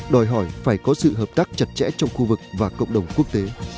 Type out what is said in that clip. đòi hỏi phải có sự hợp tác chặt chẽ trong khu vực và cộng đồng quốc tế